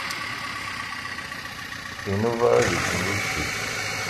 Inuba ad ikemmel učči.